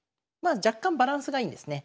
あ若干バランスがいいんですね。